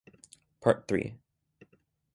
Part Three.